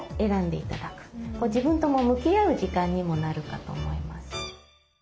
ご自分とも向き合う時間にもなるかと思います。